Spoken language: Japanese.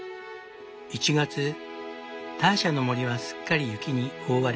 １月ターシャの森はすっかり雪に覆われる。